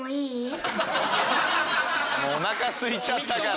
もうおなかすいちゃったから。